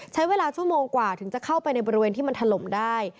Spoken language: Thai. ใช้เวลาชั่วโมงกว่าถึงจะเข้าไปในบริเวณที่มันถล่มได้